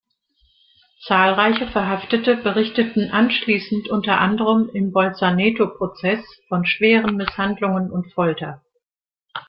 Zahlreiche Verhaftete berichteten anschließend unter anderem im Bolzaneto-Prozess von schweren Misshandlungen und Folter.